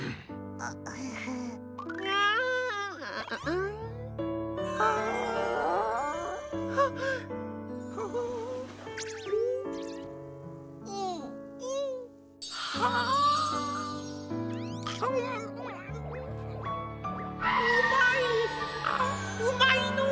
ああうまいのう！